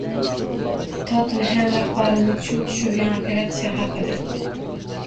“Tottenhem” rahbarini chuv tushirgan “operatsiya” haqida